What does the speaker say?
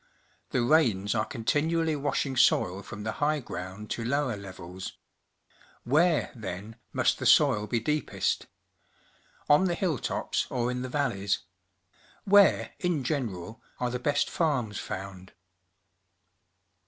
The rains are continually washing soil from the high ground to lower levels. AMiere, then, must the soil be deepest? On the hilltops or in the valleys? 'VMiere, in general, are the best farms found?